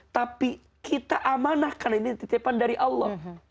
tapi kita amanah karena ini titipan dari allah